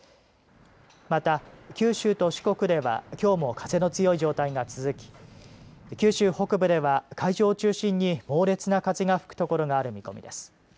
また、九州と四国ではきょうも風の強い状態が続き九州北部では、海上を中心に猛烈な風が吹くところがある見込みです。